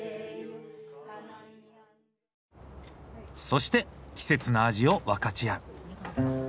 そして季節の味を分かち合う。